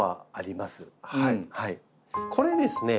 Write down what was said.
これですね